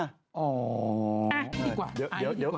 แอ๊ะอีกดีกว่า